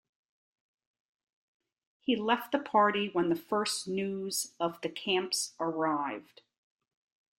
He left the party when the first news of the camps arrived.